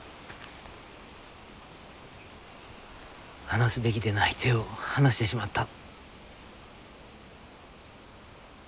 離すべきでない手を離してしまった。